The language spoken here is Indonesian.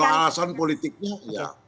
dari alasan politiknya ya